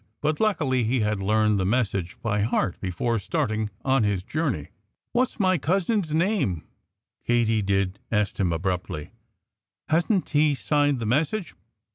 But luckily he had learned the message by heart before starting on his journey. "What's my cousin's name?" Kiddie Katydid asked him abruptly. "Hasn't he signed the message?"